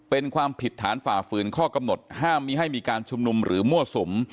เป็นความผิดฐานฝ่าฝืนข้อกำหนดห้ามมีให้มีการชุมนุมหรือมั่วสุม